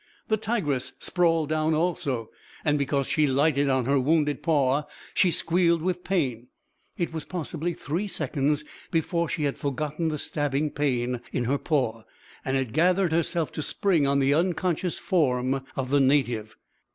The tigress sprawled down also, and because she lighted on her wounded paw, she squealed with pain. It was possibly three seconds before she had forgotten the stabbing pain in her paw and had gathered herself to spring on the unconscious form of the native.